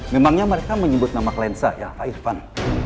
memangnya mereka menyebut nama klien saya irfan